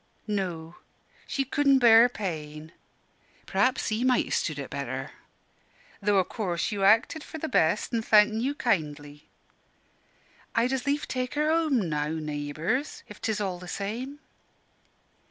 "No, she cudn' bear pain. P'raps he might ha' stood it better though o' course you acted for the best, an' thankin' you kindly. I'd as lief take her home now, naybours, if 'tis all the same."